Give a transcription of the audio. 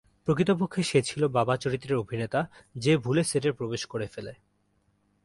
প্রকৃতপক্ষে সে ছিল বাবা চরিত্রের অভিনেতা, যে ভুলে সেটে প্রবেশ করে ফেলে।